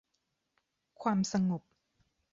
ความสงบ